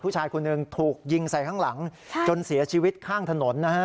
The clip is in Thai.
ผู้ชายคนหนึ่งถูกยิงใส่ข้างหลังจนเสียชีวิตข้างถนนนะฮะ